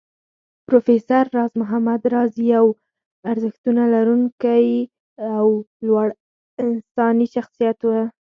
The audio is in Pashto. پروفېسر راز محمد راز يو ارزښتونه لرونکی او لوړ انساني شخصيت و